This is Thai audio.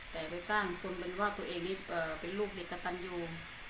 แต่ไปสร้างคนเหมือนว่าตัวเองนี่เป็นลูกเด็กกระตันอยู่